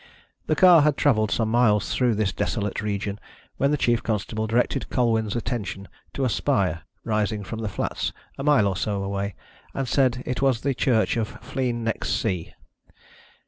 The car had travelled some miles through this desolate region when the chief constable directed Colwyn's attention to a spire rising from the flats a mile or so away, and said it was the church of Flegne next sea.